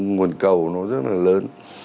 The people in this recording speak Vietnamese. nguồn cầu nó rất là lớn